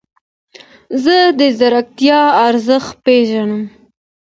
زه د ځیرکتیا ارزښت پیژنم.